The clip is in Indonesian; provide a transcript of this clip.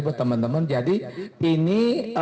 buat teman teman jadi ini